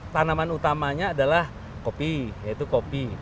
tanaman utamanya adalah kopi yaitu kopi